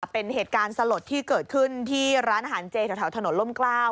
เป็นเหตุการณ์สลดที่เกิดขึ้นที่ร้านอาหารเจแถวถนนล่มกล้าว